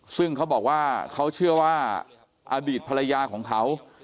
ซึ่งเขาบอกว่าเขาเชื่อว่าอดีตภรรยาของเขา